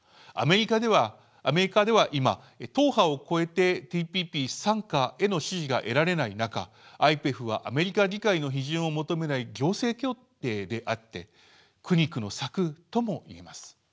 アメリカでは今党派を超えてＴＰＰ参加への支持が得られない中ＩＰＥＦはアメリカ議会の批准を求めない行政協定であって苦肉の策とも言えます。